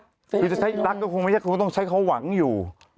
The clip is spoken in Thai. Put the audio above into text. คือจะใช้รักก็คงไม่ใช่คงต้องใช้เขาหวังอยู่